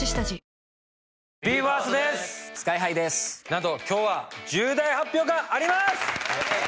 なんと今日は重大発表があります！